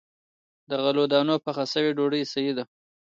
د غلو- دانو پخه شوې ډوډۍ صحي ده.